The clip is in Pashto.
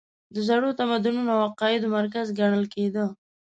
د زړو تمدنونو او عقایدو مرکز ګڼل کېده.